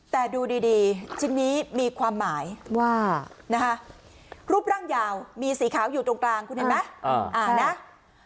แต่ดูดีชิ้นนี้มีความหมายว่านะคะรูปร่างยาวมีสีขาวอยู่ตรงกลางคุณเห็นไหม